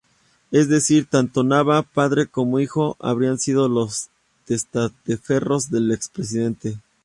Es decir, tanto Nava padre como hijo habrían sido los testaferros del expresidente.